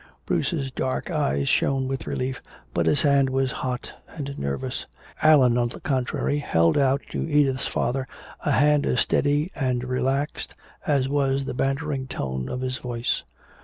Bruce's dark eyes shone with relief, but his hand was hot and nervous. Allan, on the contrary, held out to Edith's father a hand as steady and relaxed as was the bantering tone of his voice.